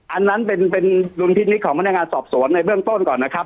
อันนั้นเป็นดุลพินิษฐของพนักงานสอบสวนในเบื้องต้นก่อนนะครับ